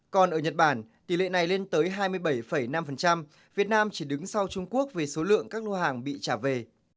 còn ở nhật bản tỷ lệ này lên tới hai mươi bảy năm việt nam chỉ đứng sau trung quốc về số lượng các lô hàng bị trả về